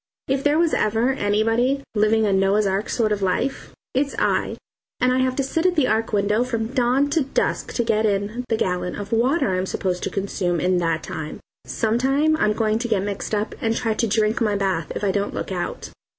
If there was ever anybody "living a Noah's Ark sort of life" it's I, and I have to sit at the Ark window from dawn to dusk to get in the gallon of water I'm supposed to consume in that time. Some time I'm going to get mixed up and try to drink my bath, if I don't look out.